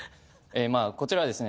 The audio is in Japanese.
まあこちらはですね